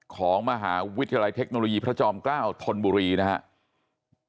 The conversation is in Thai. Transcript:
ของมหาวิทยาลัยเทคโนโลยีพระจอมเกล้าธนบุรีนะครับ